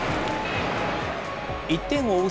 １点を追う